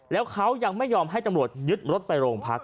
แล้วเขายังไม่ยอมให้ตำรวจยึดรถไปโรงพัก